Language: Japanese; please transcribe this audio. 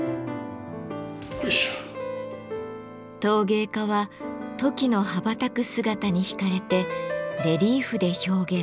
陶芸家はトキの羽ばたく姿に引かれてレリーフで表現。